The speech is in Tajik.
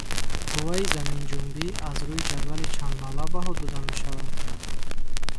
Қувваи заминҷунбӣ аз рӯйи ҷадвали чандбалла баҳо дода мешавад?